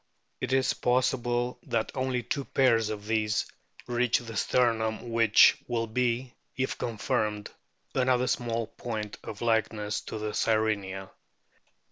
It is possible that only two pairs of these reach the sternum, which ANOMALOUS DOLPHINS 299 will be, if confirmed, another small point of likeness to the Sirenia.